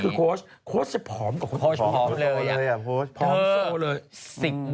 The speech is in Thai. เพราะโฟชก็ปลอมกว่าพอท่านพอมเลยอะพอท่านพอมโซ่เลยโอ้โฮ